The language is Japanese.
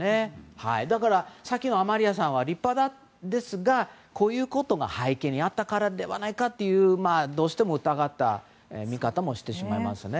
だから、さっきのアマリアさんは立派ですがこういうことが背景にあったからではないかとどうしても疑った見方もしてしまいます。